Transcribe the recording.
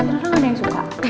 rara gak ada yang suka